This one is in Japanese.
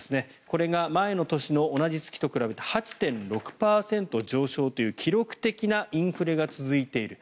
これが前の年の同じ月と比べて８．６％上昇という記録的なインフレが続いている。